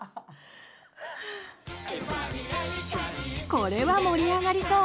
これは盛り上がりそう！